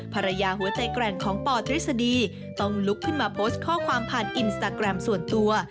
ภรรยาหัวใจแกร่งของปทฤษฎีต้องลุกขึ้นมาโพสต์ข้อความผ่านอินสตาแกรมส่วนตัว